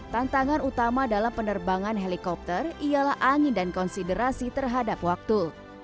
tantangan utama dalam penerbangan helikopter ialah angin dan konsiderasi terhadap waktu